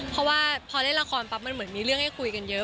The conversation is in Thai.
เพราะว่าพอเล่นละครปั๊บมันเหมือนมีเรื่องให้คุยกันเยอะ